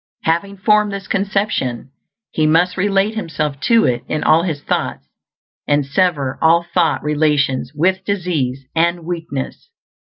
Having formed this conception, he must relate himself to it in all his thoughts, and sever all thought relations with disease and weakness.